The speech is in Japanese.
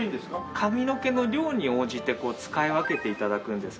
髪の毛の量に応じて使い分けて頂くんですけど。